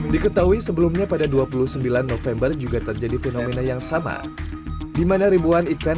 diketahui sebelumnya pada dua puluh sembilan november juga terjadi fenomena yang sama dimana ribuan ikan